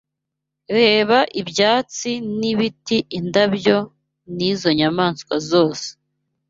Reba ibyatsi n’ibiti, indabo n’izo nyamaswa zose